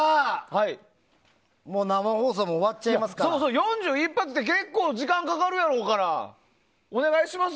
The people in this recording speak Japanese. ４１発って時間もかかるやろうからお願いしますよ